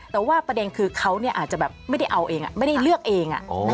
แต่ว่าประเด็นคือเขาอาจจะแบบไม่ได้เอาเองไม่ได้เลือกเอง